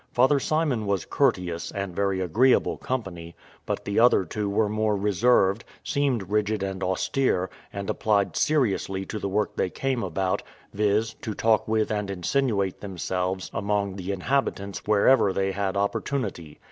Father Simon was courteous, and very agreeable company; but the other two were more reserved, seemed rigid and austere, and applied seriously to the work they came about, viz. to talk with and insinuate themselves among the inhabitants wherever they had opportunity.